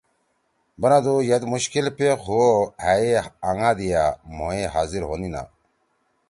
بنَدُو ید مشکل پیخ ہُو او ہأ یے آنگا دیا مھو یے حاضر ہُونینا۔